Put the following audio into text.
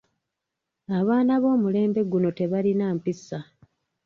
Abaana b'omulembe guno tebalina mpisa.